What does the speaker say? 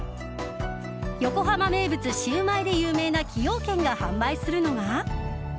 横浜名物シウマイで有名な崎陽軒が販売するのが。